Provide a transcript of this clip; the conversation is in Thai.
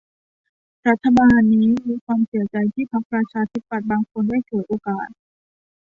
รัฐบาลนี้มีความเสียใจที่พรรคประชาธิปัตย์บางคนได้ฉวยโอกาส